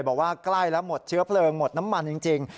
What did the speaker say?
บอกว่าใกล้แล้วหมดเชื้อเพลิงหมดน้ำมันจริง